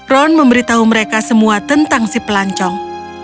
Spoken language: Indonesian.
ron memberitahu mereka semua tentang si pelancong